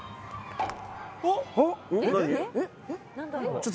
おっ？